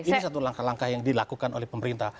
ini satu langkah langkah yang dilakukan oleh pemerintah